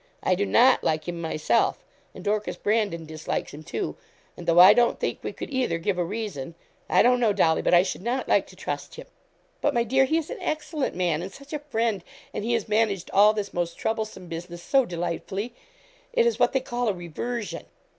I do not like him myself, and Dorcas Brandon dislikes him too; and, though I don't think we could either give a reason I don't know, Dolly, but I should not like to trust him.' 'But, my dear, he is an excellent man, and such a friend, and he has managed all this most troublesome business so delightfully. It is what they call a reversion.'